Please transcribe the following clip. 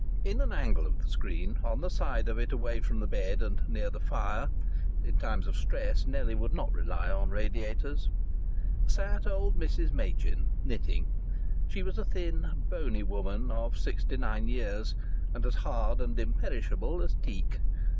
In an angle of the screen, on the side of it away from the bed and near the fire (in times of stress Nellie would not rely on radiators) sat old Mrs.. Machin, knitting. She was a thin, bony woman of sixty nine years, and as hard and imperishable as teak.